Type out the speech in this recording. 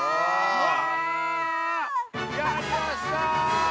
◆うわ！？